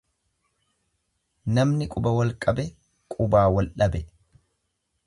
Namni quba walqabe, qubaa waldhabe.